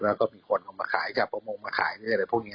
แล้วก็มีคนมาขายเจ้าประโมงมาขายพวกนี้